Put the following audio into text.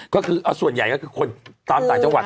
ก็คือเอาส่วนใหญ่ก็คือคนตามต่างจังหวัด